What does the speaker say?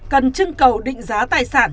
cần chưng cầu định giá tài sản